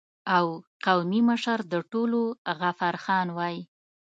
او قومي مشر د ټولو غفار خان وای